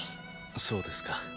そうですか。